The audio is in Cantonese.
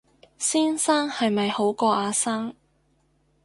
先生係咪好過阿生